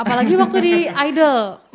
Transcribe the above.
apalagi waktu di idol